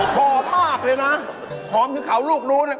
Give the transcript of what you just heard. หอมมากเลยนะหอมถึงเขาลูกรู้เลย